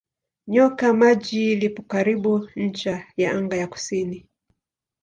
Nyoka Maji lipo karibu ncha ya anga ya kusini.